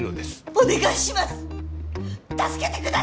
お願いします。